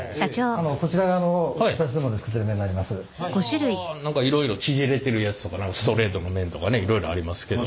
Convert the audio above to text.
はあ何かいろいろ縮れてるやつとかストレートの麺とかねいろいろありますけど。